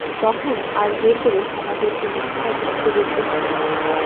তখন আর জোর করে সমাজের কোন বিষয় ভাঙতে গড়তে হবে না।